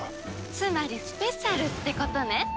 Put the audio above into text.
つまりスペシャルってことね。